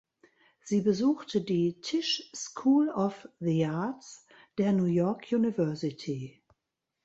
Sie besuchte die Tisch School of the Arts der New York University.